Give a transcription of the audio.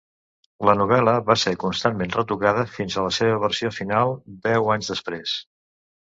La novel·la va ser constantment retocada fins a la seva versió final deu anys després.